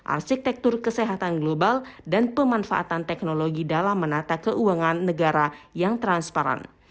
arsitektur kesehatan global dan pemanfaatan teknologi dalam menata keuangan negara yang transparan